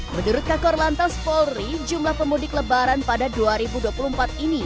menurut kakor lantas polri jumlah pemudik lebaran pada dua ribu dua puluh empat ini